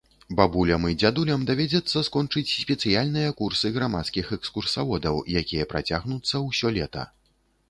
Бабулям і дзядулям давядзецца скончыць спецыяльныя курсы грамадскіх экскурсаводаў, якія працягнуцца ўсё лета.